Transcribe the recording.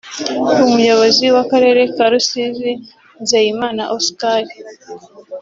Umuyobozi w’Akarere ka Rusizi Nzeyimana Oscar